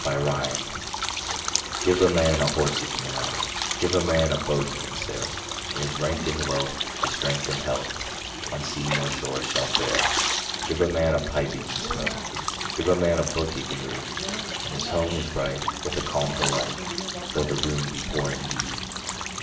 Gifts GIVE a man a horse he can ride, Give a man a boat he can sail; And his rank and wealth, his strength and health, On sea nor shore shall fail. Give a man a pipe he can smoke, 5 Give a man a book he can read: And his home is bright with a calm delight, Though the room be poor indeed.